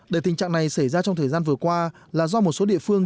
để tình trạng này xảy ra trong thời gian vừa qua là do một số địa phương